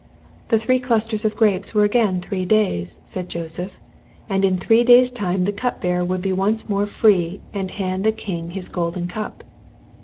The three clusters of grapes were again three days, said Joseph, and in three days' time the cup bearer would be once more free and hand the king his golden cup.